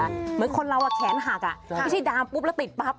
เหมือนคนเราแขนหักไม่ใช่ดามปุ๊บแล้วติดปั๊บ